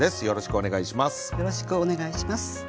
よろしくお願いします。